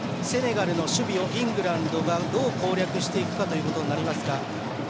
まずセネガルの守備をイングランドがどう攻略していくかということになりますが。